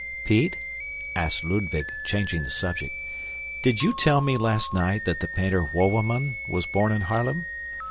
"Pete," asked Ludwig, changing the subject, "did you tell me last night that the painter Wouwerman was born in Haarlem?"